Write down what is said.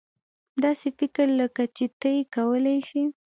داسې فکر لکه چې ته یې کولای شې.